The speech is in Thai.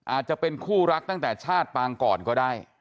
อาจจะเป็นคู่รักตั้งแต่ชาติปางก่อนก็ได้